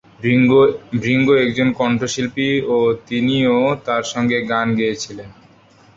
ভৃগু একজন কন্ঠশিল্পী ও তিনিও তার সঙ্গে গান গেয়েছিলেন।